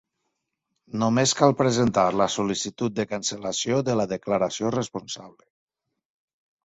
Només cal presentar la sol·licitud de cancel·lació de la declaració responsable.